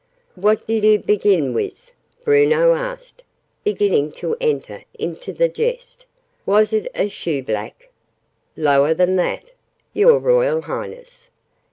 "What did oo begin wiz?" Bruno asked, beginning to enter into the jest. "Was oo a shoe black?" "Lower than that, your Royal Highness!